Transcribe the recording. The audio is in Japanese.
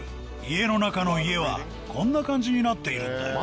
家の中の家はこんな感じになっているんだよ。